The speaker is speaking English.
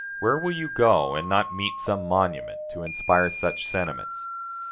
Where will you go and not meet some monument to inspire such sentiments?